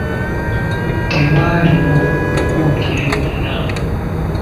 Tewaaliwo bukugire bwonna.